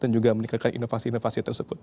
dan inovasi inovasi tersebut